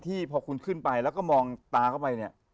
พอคุณขึ้นไปแล้วก็มองตาเข้าไปเนี่ย